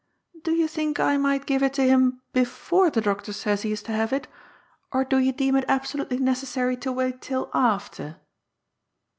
Do you think I might give it him before the doctor says he is to have it, or do you deem it absolutely necessary to wait till after